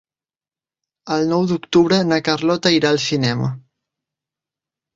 El nou d'octubre na Carlota irà al cinema.